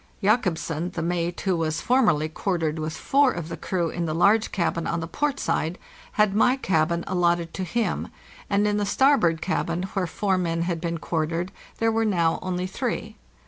Jacobsen, the mate, who was formerly quartered with four of the crew in the large cabin on the port side, had my cabin al lotted to him; and in the starboard cabin, where four men had been quartered, there were now only three.